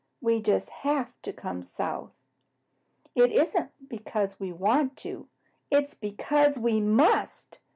We just HAVE to come south. It isn't because we want to, but because we must!